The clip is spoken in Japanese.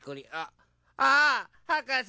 あはかせ！